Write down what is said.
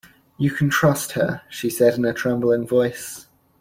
"You can trust her," she said in a trembling voice.